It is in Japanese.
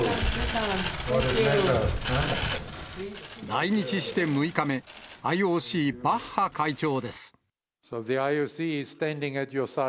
来日して６日目、ＩＯＣ、バッハ会長です。